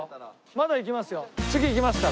まだいきますよ。